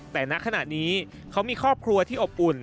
แต่ณขณะนี้เขามีครอบครัวที่อบอุ่น